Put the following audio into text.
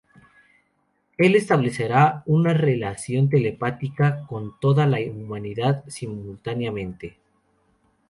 Él establecerá una relación telepática con toda la humanidad simultáneamente".